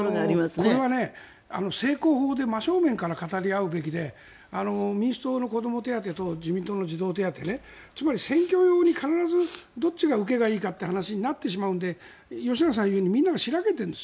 これは正攻法で真正面から語り合うべきで民主党の子ども手当と自民党の児童手当つまり選挙用に必ずどっちが受けがいいかという話になってしまうので吉永さんが言うようにみんなが白けてるんです。